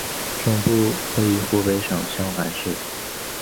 总部位于湖北省襄樊市。